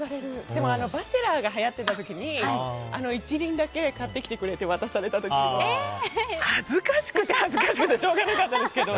でも「バチェラー」がはやってた時に１輪だけ買ってきてくれて渡された時は恥ずかしくて恥ずかしくてしょうがなかったですけど。